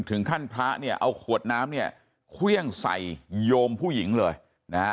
ถึงขั้นพระเนี่ยเอาขวดน้ำเนี่ยเครื่องใส่โยมผู้หญิงเลยนะฮะ